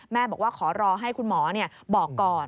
แม่บอกว่าขอรอให้คุณหมอบอกก่อน